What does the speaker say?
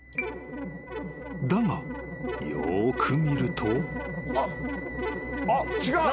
［だがよく見ると］